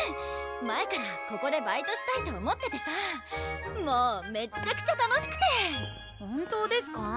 前からここでバイトしたいと思っててさもうめちゃくちゃ楽しくて本当ですか？